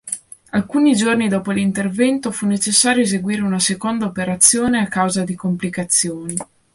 Alcuni giorni dopo l'intervento, fu necessario eseguire una seconda operazione a causa di complicazioni.